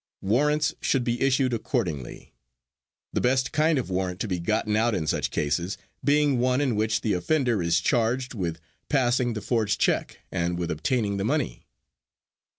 Warrants should be issued accordingly; the best kind of warrant to be gotten out in such cases being one in which the offender is charged with passing the forged check and with obtaining the money.